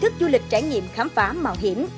thức du lịch trải nghiệm khám phá mạo hiểm